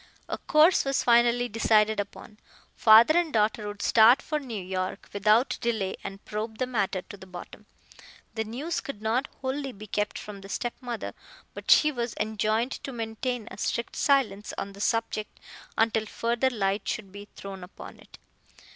A course was finally decided upon. Father and daughter would start for New York without delay and probe the matter to the bottom. The news could not wholly be kept from the stepmother, but she was enjoined to maintain a strict silence on the subject until further light should be thrown upon it.